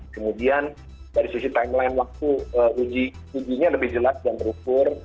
kemudian dari sisi timeline waktu ujinya lebih jelas dan terukur